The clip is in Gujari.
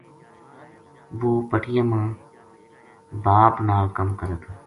وہ پٹیاں ما باپ نال کم کرے تھو